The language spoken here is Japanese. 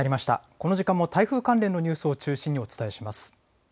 この時間も台風関連のニュースを中心にお伝えします。